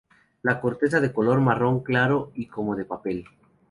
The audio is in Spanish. La corteza es de color marrón claro y como de papel.